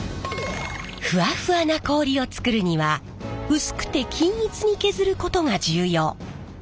ふわふわな氷を作るにはうすくて均一に削ることが重要。